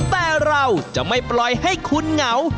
แต่เราจะไม่ปล่อยให้คุณเหงา